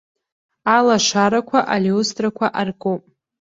Алашарақәа, алиустрақәа аркуп.